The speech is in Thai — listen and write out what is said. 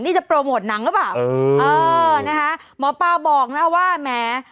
นี่จะโปรโมทหนังหรือเปล่าเออเออนะคะหมอปลาบอกนะว่าแหม